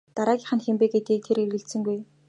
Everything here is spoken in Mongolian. Дараагийнх нь хэн бэ гэдэгт тэр эргэлзсэнгүй.